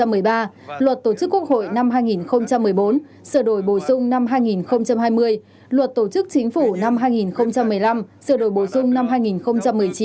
luật tổ chức quốc hội năm hai nghìn một mươi bốn sửa đổi bổ sung năm hai nghìn hai mươi luật tổ chức chính phủ năm hai nghìn một mươi năm sửa đổi bổ sung năm hai nghìn một mươi chín